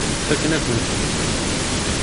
Fakken-akent-ten.